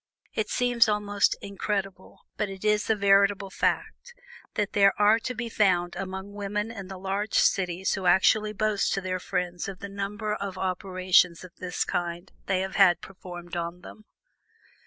It seems almost incredible, but it is a veritable fact, that there are to be found many women in the large cities who actually boast to their friends of the number of operations of this kind they have had performed on them.